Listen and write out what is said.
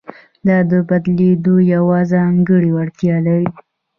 دا د بدلېدو یوه ځانګړې وړتیا لري.